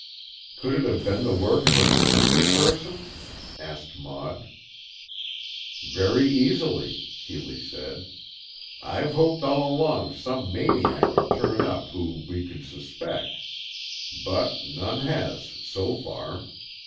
"Could it have been the work of a demented person?" asked Maud. "Very easily," Keeley said. "I've hoped all along some maniac would turn up whom we could suspect. But none has, so far.